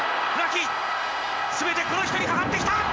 全てこの人にかかってきた！